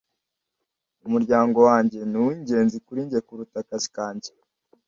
Umuryango wanjye ni uw'ingenzi kuri njye kuruta akazi kanjye.